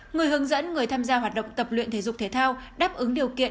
người hướng dẫn người tham gia hoạt động tập luyện thể dục thể thao đáp ứng điều kiện